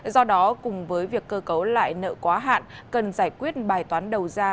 do đó cùng với việc cơ cấu lại nợ quá hạn cần giải quyết bài toán đầu ra